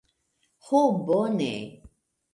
Ho bone